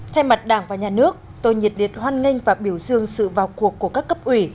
thay mặt đảng và nhà nước tôi nhiệt liệt hoan nghênh và biểu dương sự vào cuộc của các cấp ủy